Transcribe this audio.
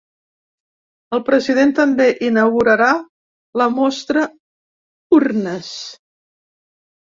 El president també inaugurarà la mostra Urnes.